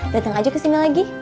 datang aja kesini lagi